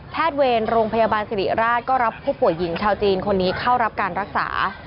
เวรโรงพยาบาลสิริราชก็รับผู้ป่วยหญิงชาวจีนคนนี้เข้ารับการรักษา